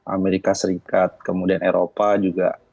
amerika serikat kemudian eropa juga